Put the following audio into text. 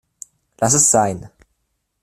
Lass es sein.